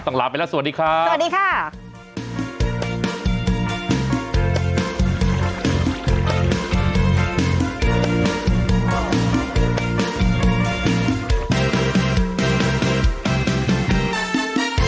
ต่างหลับไปแล้วสวัสดีครับ